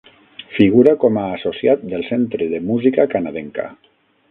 Figura com a associat del Centre de Música Canadenca.